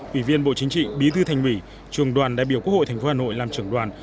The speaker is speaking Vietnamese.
ủy viên bộ chính trị bí thư thành ủy trường đoàn đại biểu quốc hội tp hà nội làm trưởng đoàn